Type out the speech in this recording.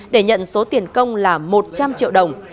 để nhận số tiền công là một trăm linh triệu đồng